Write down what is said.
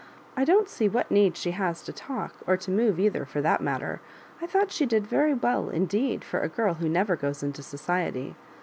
I don't see what need she has to talk — or to move either, for that matter. I thought she did very well indeed for a girl who never goes into society.